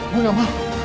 gue gak mau